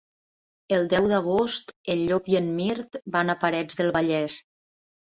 El deu d'agost en Llop i en Mirt van a Parets del Vallès.